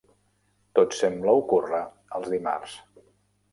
Tot sembla ocórrer els dimarts.